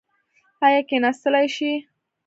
ایا کیناستلی شئ؟